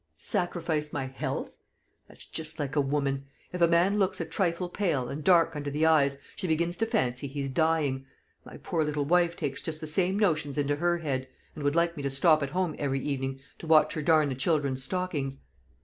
"Sacrifice my health! That's just like a woman. If a man looks a trifle pale, and dark under the eyes, she begins to fancy he's dying. My poor little wife takes just the same notions into her head, and would like me to stop at home every evening to watch her darn the children's stockings."